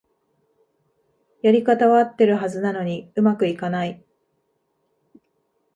やり方はあってるはずなのに上手くいかない